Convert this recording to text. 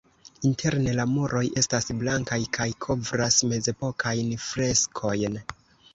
Interne la muroj estas blankaj kaj kovras mezepokajn freskojn.